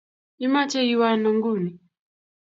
Imache iwe ano inguni?